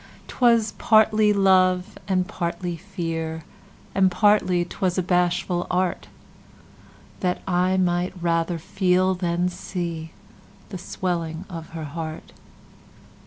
'Twas partly love, and partly fear. And partly 'twas a bashful artThat I might rather feel, than see, The swelling of her heart.